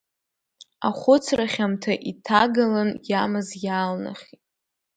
Ахәыцра хьамҭа иҭагалан иамаз иаалнахит.